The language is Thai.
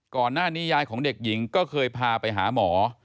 ก่อนหน้านี้ยายของเด็กหญิงก็เคยพาไปหาหมอ